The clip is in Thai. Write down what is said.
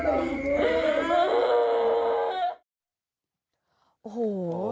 โอ้โห